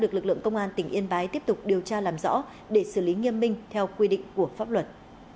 công an tỉnh yên bái tiếp tục điều tra làm rõ để xử lý nghiêm minh theo quy định của pháp luật